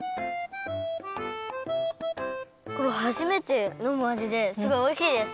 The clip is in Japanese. これはじめてのむあじですごいおいしいです。